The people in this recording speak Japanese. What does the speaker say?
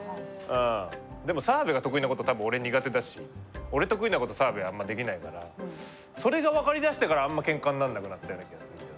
でも澤部が得意なことたぶん俺苦手だし俺得意なこと澤部あんまできないからそれが分かりだしてからあんまケンカになんなくなったような気がするんだよ。